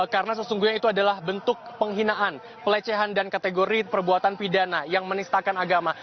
karena sesungguhnya itu adalah bentuk penghinaan pelecehan dan kategori perbuatan pidana yang menistakan agama